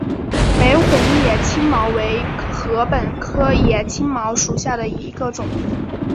玫红野青茅为禾本科野青茅属下的一个种。